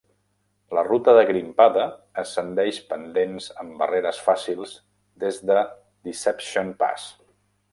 La ruta de grimpada ascendeix pendents amb barreres fàcils des de Deception Pass.